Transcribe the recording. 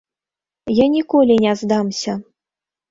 Я ніколі не здамся.